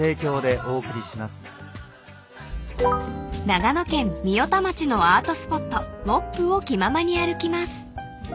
［長野県御代田町のアートスポットＭＭｏＰを気ままに歩きます］